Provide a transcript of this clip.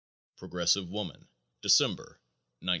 Progressive Woman, December, 1910.